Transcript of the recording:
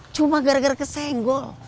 cuma gara gara kesenggol